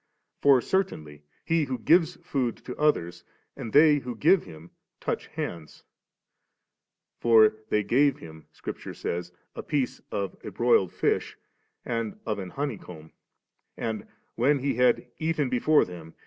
For certainly he who gives food to others, and they who give him, touch hands. For * they gave Him,' Scripture sajTS, 'a piece of a broiled fish and of an honey comb, and ' when He had ' eaten before them.